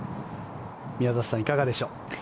宮里さん、いかがでしょう。